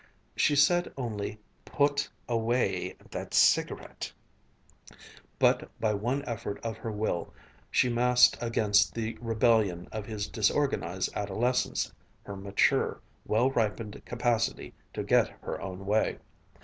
She said only, "Put away that cigarette"; but by one effort of her will she massed against the rebellion of his disorganized adolescence her mature, well ripened capacity to get her own way.